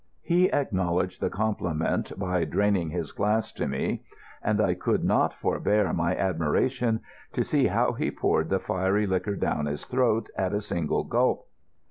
He acknowledged the compliment by draining his glass to me, and I could not forbear my admiration to see how he poured the fiery liquor down his throat at a single gulp.